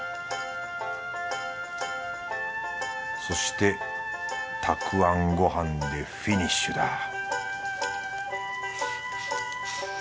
そしてたくあんご飯でフィニッシュだ